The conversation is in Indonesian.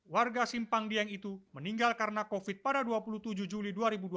warga simpang dieng itu meninggal karena covid pada dua puluh tujuh juli dua ribu dua puluh